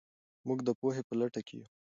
موږ د پوهې په لټه کې یو.